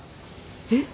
えっ？